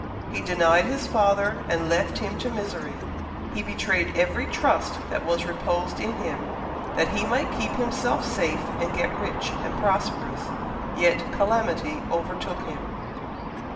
He denied his father, and left him to misery; he betrayed every trust that was reposed in him, that he might keep himself safe and get rich and prosperous. Yet calamity overtook him."